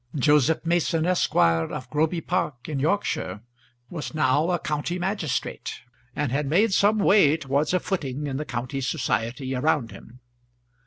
Joseph Mason, Esq., of Groby Park, in Yorkshire, was now a county magistrate, and had made some way towards a footing in the county society around him.